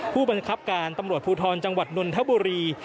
ผู้บังคับการตำรวจภูทรจังหวัดนนทบุรี